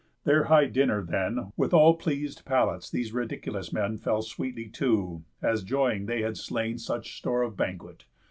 Their high dinner then With all pleas'd palates these ridiculous men Fell sweetly to, as joying they had slain Such store of banquet.